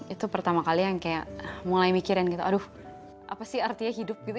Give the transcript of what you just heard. itu pertama kali yang kayak mulai mikirin gitu aduh apa sih artinya hidup gitu